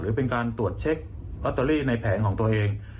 หรือเป็นการตรวจเช็คลอตเตอรี่ในแผงของตัวเอง